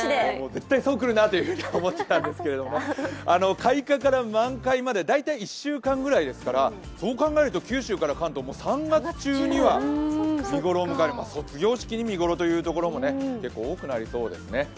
絶対にそうくるなと思っていたんですけれども、開花から満開までだいたい１週間くらいですからそう考えると九州から関東３月中には見頃を迎えて卒業式に見頃というところも結構多くなりそうですね。